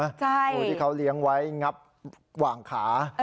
งูที่เขาเลี้ยงไว้งับหว่างขา